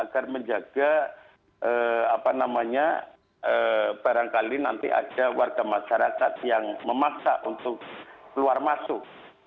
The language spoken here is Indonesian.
agar menjaga barangkali nanti ada warga masyarakat yang memaksa untuk keluar masuk